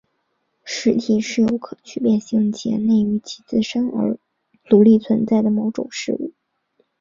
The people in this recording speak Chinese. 实体是有可区别性且内于其自身而独立存在的某种事物。